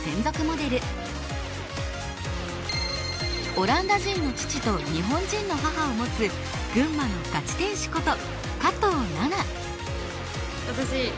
オランダ人の父と日本人の母を持つ群馬のガチ天使こと加藤ナナ。